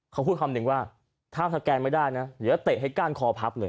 เขาพูดคำหนึ่งว่าถ้าสแกนไม่ได้นะเดี๋ยวเตะให้ก้านคอพับเลย